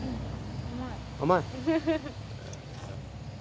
甘い。